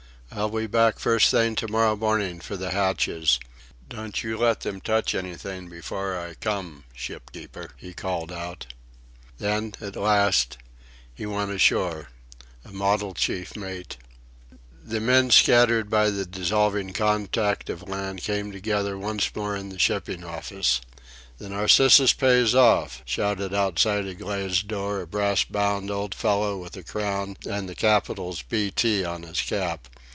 "I'll be back first thing to morrow morning for the hatches. Don't you let them touch anything before I come, shipkeeper," he called out. Then, at last, he also went ashore a model chief mate! The men scattered by the dissolving contact of the land came together once more in the shipping office. "The Narcissus pays off," shouted outside a glazed door a brass bound old fellow with a crown and the capitals B. T. on his cap.